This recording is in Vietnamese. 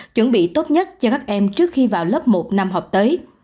chuẩn bị tốt nhất cho các em trước khi vào lớp một năm học tới